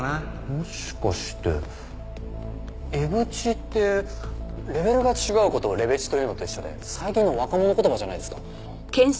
もしかしてエグチってレベルが違う事を「レベチ」と言うのと一緒で最近の若者言葉じゃないですか。